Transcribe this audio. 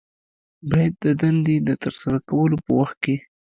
باید د دندې د ترسره کولو په وخت کې